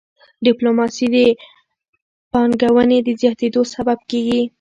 ډيپلوماسي د پانګوني د زیاتيدو سبب کېږي.